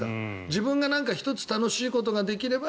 自分が１つ楽しいことができれば